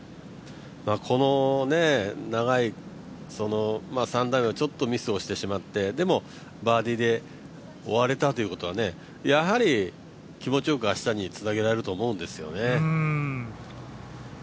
この長い３打目がちょっとミスをしてしまってでも、バーディーで終われたということはやはり気持ちよく明日につなげられると思うんですね。